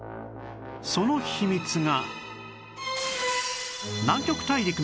その秘密が